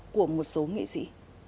của một số nghệ sĩ